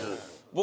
僕